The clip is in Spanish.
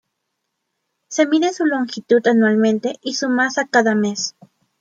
Se mide su longitud anualmente y su masa cada mes.